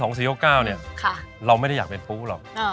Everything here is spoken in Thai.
๔๖๙เนี่ยเราไม่ได้อยากเป็นปูหรอก